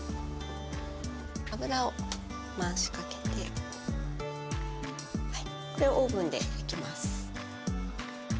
油を回しかけてこれをオーブンで焼きます。